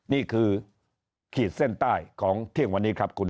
นี่คือขีดเส้นใต้ของเที่ยงวันนี้ครับคุณวิระสมความคิด